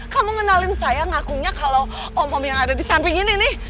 kamu kenalin saya ngakunya kalau om om yang ada di samping ini nih